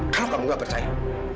kalau kamu gak percaya